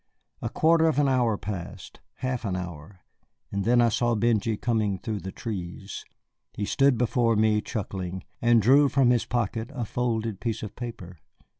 A quarter of an hour passed, half an hour, and then I saw Benjy coming through the trees. He stood before me, chuckling, and drew from his pocket a folded piece of paper.